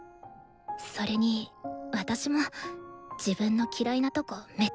それに私も自分の嫌いなとこめっちゃあるし。